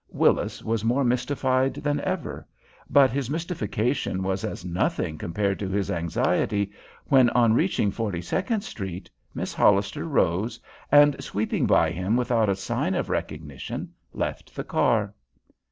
Willis was more mystified than ever; but his mystification was as nothing compared to his anxiety when, on reaching Forty second Street, Miss Hollister rose, and sweeping by him without a sign of recognition, left the car.